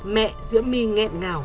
mẹ diễm my nghẹn ngào